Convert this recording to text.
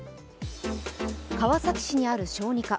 川崎市にある小児科。